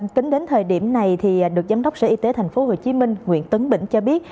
tính đến thời điểm này được giám đốc sở y tế tp hcm nguyễn tấn bỉnh cho biết